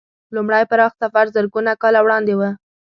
لومړی پراخ سفر زرګونه کاله وړاندې و.